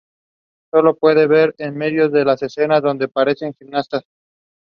The show is inspired by real life newspaper articles.